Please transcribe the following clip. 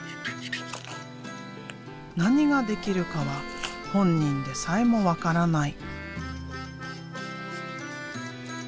何が出来るかは本人でさえも分からない。